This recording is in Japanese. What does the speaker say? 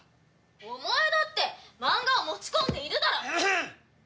お前だってマンガを持ち込んでいるだろう！